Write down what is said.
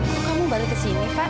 kok kamu balik kesini fah